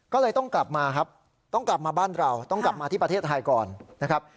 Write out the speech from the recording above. ก็เลยต้องกลับมาครับต้องกลับมาบ้านเราต้องกลับมาที่ประเทศไทยก่อนนะครับ